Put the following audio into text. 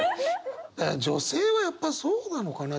女性はやっぱそうなのかな。